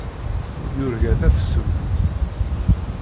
Yurga tafsut.